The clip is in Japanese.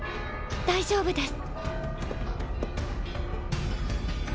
大丈夫です。